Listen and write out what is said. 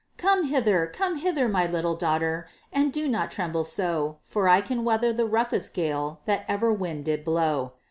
"Come hither, come hither, my little daughtèr, And do not tremble so; For I can weather the roughest gale That ever wind did blow."